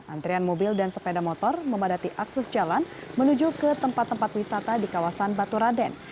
antrian mobil dan sepeda motor memadati akses jalan menuju ke tempat tempat wisata di kawasan baturaden